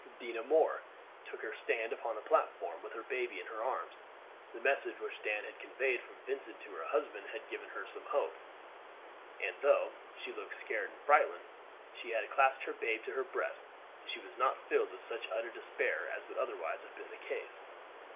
Dinah Moore took her stand upon the platform, with her baby in her arms. The message which Dan had conveyed from Vincent to her husband had given her some hope, and though she looked scared and frightened as she clasped her babe to her breast, she was not filled with such utter despair as would otherwise have been the case.